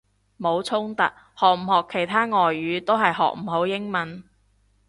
冇衝突，學唔學其他外語都係學唔好英文！